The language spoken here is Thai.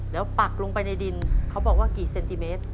แล้วปักลงไปในดินเขาบอกว่ากี่เซนติเมตร